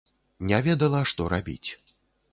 Не ведала, што рабіць.